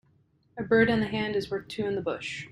A bird in the hand is worth two in the bush.